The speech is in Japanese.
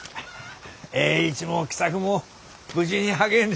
栄一も喜作も無事に励んでおったか。